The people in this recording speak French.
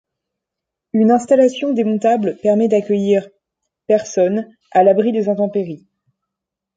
Une installation démontable permet d'accueillir personnes à l'abri des intempéries.